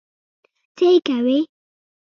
څه یې کوې؟